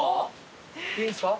いいですか？